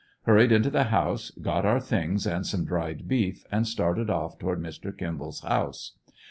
Hur ried into the house, got our things and some dried beef, and started off toward Mr. Kimball's house.